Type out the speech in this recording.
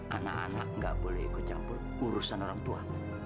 anak anak nggak boleh ikut campur urusan orang tua